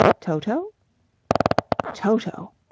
"Toto?" "Toto.